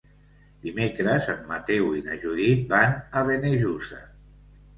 Dimecres en Mateu i na Judit van a Benejússer.